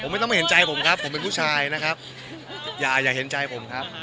ไม่ต้องมาเห็นใจผมครับผมเป็นผู้ชายนะครับอย่าอย่าเห็นใจผมครับ